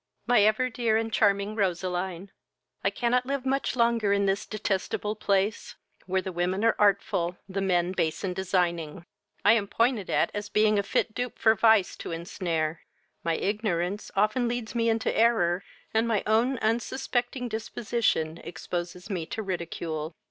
My ever dear and charming Roseline, I cannot live much longer in this detestable place, where the women are artful, the men base and designing. I am pointed at as being a fit dupe for vice to ensnare: my ignorance often leads me into error, and my own unsuspecting disposition exposes me to ridicule.